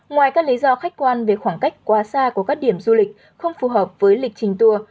ngoài các lý do khách quan về khoảng cách quá xa của các điểm du lịch không phù hợp với lịch trình tour